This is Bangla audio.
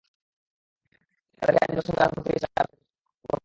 যাদেরকে আমি নূহের সঙ্গে আরোহণ করিয়েছিলাম, সে তো ছিল পরম কৃতজ্ঞ বান্দা।